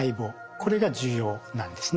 これが重要なんですね。